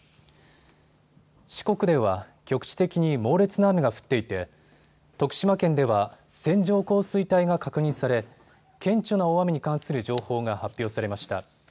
四国では局地的に猛烈な雨が降っていて徳島県では線状降水帯が確認され顕著な大雨に関する情報が発表されました。